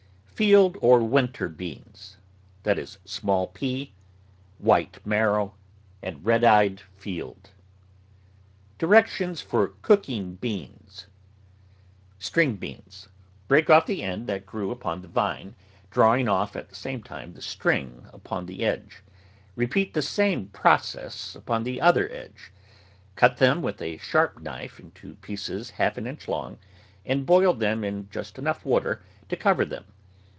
Field or winter beans. ■{ White Marrow. Red eyed Field. DIRECTIONS FOR COOKING BEANS STRING BEANS Break off the end that grew upon the vine, drawing off at the same time the string upon the edge ; repeat the same process upon the other edge ; cut them with a sharp knife into pieces half an inch long and boil them in just enough water to cover them.